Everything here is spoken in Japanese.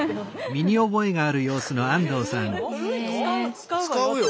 使うわよ？